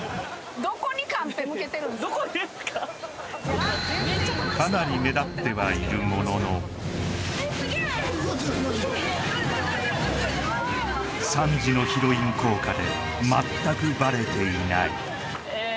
どこですかかなり目立ってはいるものの３時のヒロイン効果で全くバレていないえー